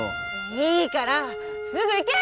いいからすぐ行け！